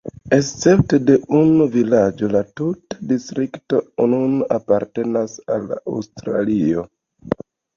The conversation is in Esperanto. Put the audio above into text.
Escepte de unu vilaĝo la tuta distrikto nun apartenas al Aŭstrio.